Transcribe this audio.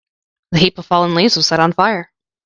The heap of fallen leaves was set on fire.